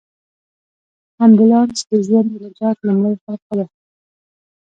امبولانس د ژوند د نجات لومړۍ حلقه ده.